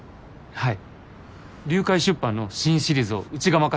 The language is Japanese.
はい。